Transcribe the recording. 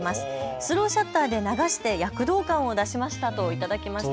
スローシャッターで流して躍動感を出しましたと頂きました。